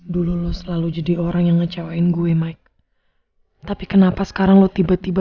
dulu lo selalu jadi orang yang ngecewain gue mike tapi kenapa sekarang lo tiba tiba